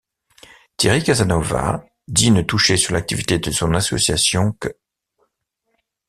Thierry Casasnovas dit ne toucher sur l'activité de son association qu'.